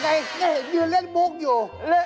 มันจะเล่นมุกอยู่